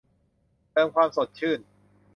เติมความสดชื่น